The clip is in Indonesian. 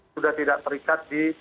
sudah tidak terikat di